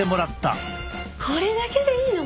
これだけでいいの？